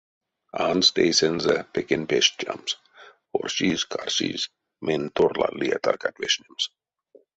Андсть эйсэнзэ пекень пештямс, оршизь-карсизь — мень торла лия таркат вешнемс!